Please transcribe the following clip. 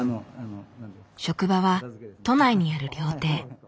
職場は都内にある料亭。